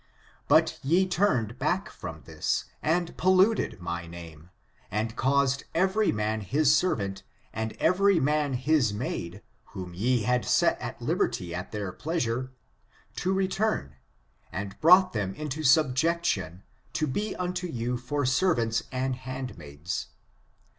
But ye turned [back from this], and polluted my name, and caused every man hia servant, and every man his maid, whom ye had set at liberty at their pleasure, to return, and brought them into subjection, to be unto you for servants and for handmaids.